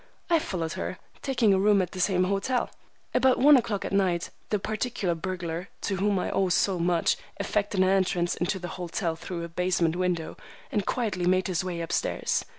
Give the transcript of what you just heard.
I followed her, taking a room at the same hotel. About one o'clock at night, the particular burglar to whom I owe so much, effected an entrance into the hotel through a basement window, and quietly made his way up stairs.